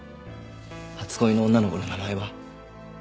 初恋の女の子の名前は？